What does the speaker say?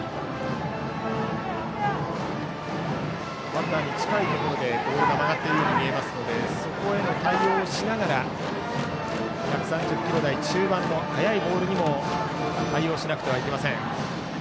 バッターに近いところでボールが曲がっているように見えるのでそこへの対応をしながら１３０キロ台中盤の速いボールにも対応しなくてはいけません。